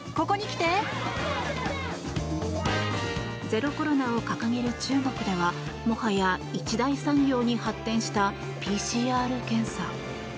ゼロコロナを掲げる中国ではもはや一大産業に発展したＰＣＲ検査。